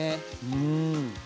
うん。